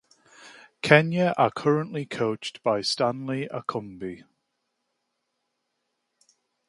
Kenya are currently coached by Stanley Okumbi.